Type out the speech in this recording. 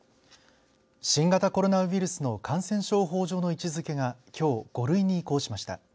新型コロナウイルスの感染症法上の位置づけがきょう５類に移行しました。